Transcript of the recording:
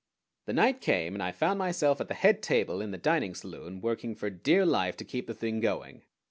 The night came, and I found myself at the head table in the dining saloon working for dear life to keep the thing going.